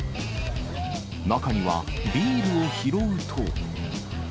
中にはビールを拾うと。